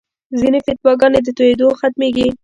ځینې فتواګانې په تویېدو ختمېږي.